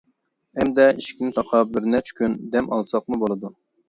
ئەمدى ئىشىكنى تاقاپ بىر نەچچە كۈن دەم ئالساقمۇ بولىدۇ.